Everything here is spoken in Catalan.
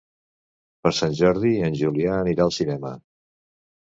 Per Sant Jordi en Julià anirà al cinema.